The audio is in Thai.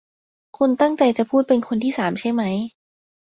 คุณตั้งใจจะพูดเป็นคนที่สามใช่มั้ย